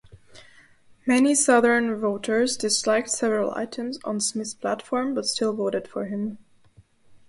Many Southern voters disliked several items on Smith's platform but still voted for him.